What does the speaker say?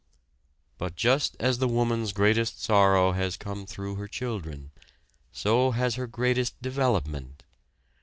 But just as the woman's greatest sorrow has come through her children, so has her greatest development.